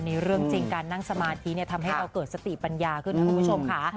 เรื่องจริงการนั่งสมาธิทำให้เราเกิดสติปัญญาขึ้นนะคุณผู้ชมค่ะ